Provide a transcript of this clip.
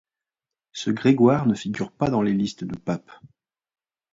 Ce Grégoire ne figure pas dans les listes de papes.